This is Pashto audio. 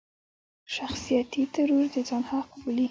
شخصيتي ترور د ځان حق بولي.